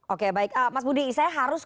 oke baik mas budi saya harus minta konfirmasi